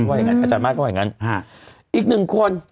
อาจารย์มาสก็ว่าอย่างงั้น